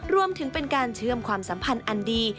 รวมถึงเป็นการเชื่อมความสัมพันธ์อันดี